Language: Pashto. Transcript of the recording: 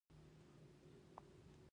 جميلې وويل: فرګي، په هوښ کي شه، صبر وکړه.